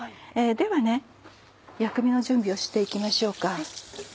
では薬味の準備をして行きましょうか。